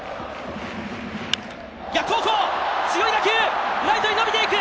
逆方向、強い打球、ライトに伸びていく！